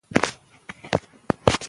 د پښتو د هرې لهجې ږغ ته اړتیا ده.